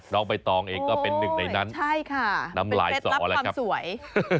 น้องไปตองเองก็เป็นหนึ่งในนั้นนำหลายสอแล้วครับโอ้ยใช่ค่ะเป็นเต็ดรับความสวย